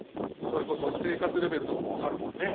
それこそ生活レベルとかもわかるもんね。